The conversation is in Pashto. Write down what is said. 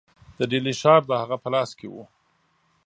د ډهلي ښار د هغه په لاس کې وو.